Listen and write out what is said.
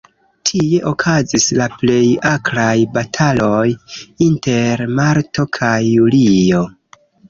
Tie okazis la plej akraj bataloj, inter marto kaj julio.